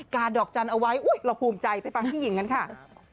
ดอกจันทร์เอาไว้อุ๊ยเราภูมิใจไปฟังพี่หญิงกันค่ะ